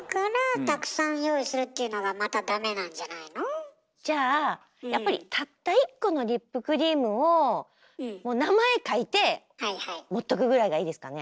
っていうのがまたじゃあやっぱりたった一個のリップクリームをもう名前書いて持っとくぐらいがいいですかね？